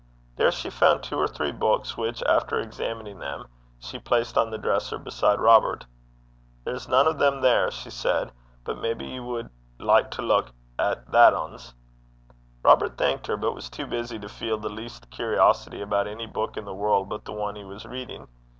There she found two or three books, which, after examining them, she placed on the dresser beside Robert. 'There's nane o' them there,' she said; 'but maybe ye wad like to luik at that anes.' Robert thanked her, but was too busy to feel the least curiosity about any book in the world but the one he was reading.